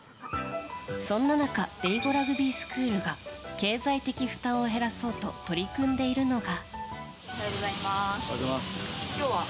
そんな中デイゴラグビースクールが経済的負担を減らそうと取り組んでいるのが。